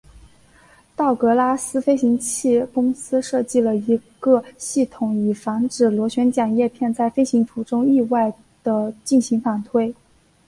道格拉斯飞行器公司设计了一个系统以防止螺旋桨叶片在飞行途中意外地进行反推。